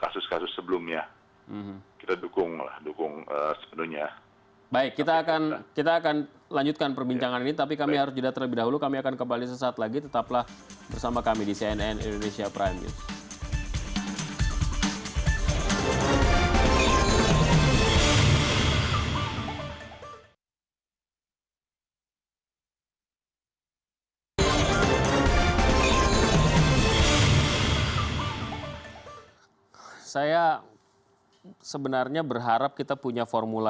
sanksi tidak main main ya